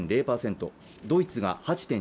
ドイツが８．２％